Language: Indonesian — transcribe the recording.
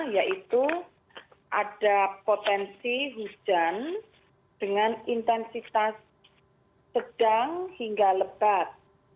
yaitu ada potensi hujan dengan intensitas sedang hingga lebat